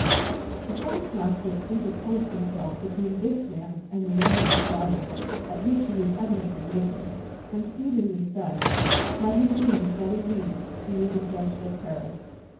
The postmaster interposed himself between this man and the rider's bridle (at which he was evidently making), and soothingly said, "Let him be; let him be! He will be judged at Paris."